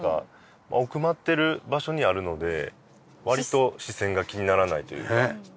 奥まってる場所にあるので割と視線が気にならないというか。